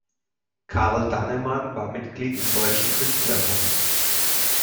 Karl Dannemann war Mitglied im Deutschen Künstlerbund.